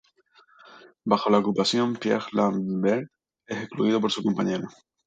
Bajo la ocupación, Pierre Lambert es excluido con su compañera.